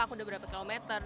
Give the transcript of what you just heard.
aku sudah berapa kilometer